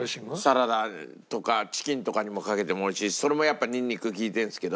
サラダとかチキンとかにもかけてもおいしいしそれもやっぱニンニク利いてるんですけど。